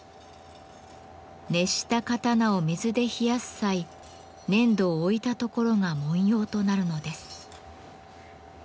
熱した刀を水で冷やす際粘土を置いた所が文様となるのです。